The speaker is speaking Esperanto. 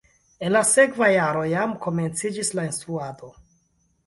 En la sekva jaro jam komenciĝis la instruado.